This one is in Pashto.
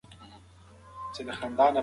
محکمې بايد پښتو وکاروي.